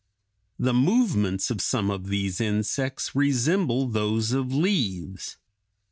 The movements of some of these insects resemble those of leaves.